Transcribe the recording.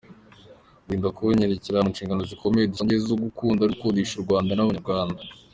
Kundinda kunyerera mu nshingano zikomeye dusangiye, zo gukunda no gukundisha u Rwanda n’Abanyarwanda.